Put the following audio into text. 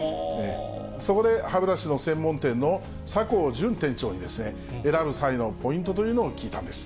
そこで、歯ブラシの専門店の酒向淳店長に、選ぶ際のポイントというのを聞いたんです。